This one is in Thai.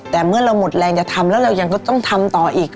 แต่เมื่อเราหมดแรงจะทำแล้วเรายังก็ต้องทำต่ออีก